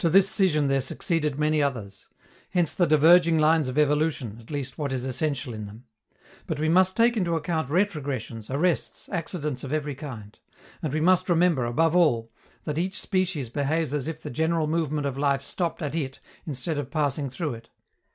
To this scission there succeeded many others. Hence the diverging lines of evolution, at least what is essential in them. But we must take into account retrogressions, arrests, accidents of every kind. And we must remember, above all, that each species behaves as if the general movement of life stopped at it instead of passing through it.